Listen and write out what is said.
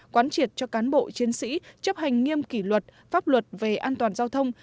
quán triệt cho cán bộ chiến sĩ chấp hành nghiêm kỷ luật pháp luật về an toàn giao thông